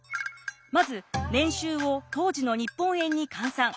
まず年収を当時の日本円に換算。